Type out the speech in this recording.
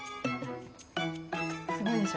すごいでしょ？